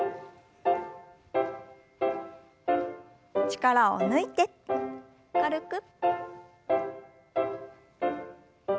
力を抜いて軽く。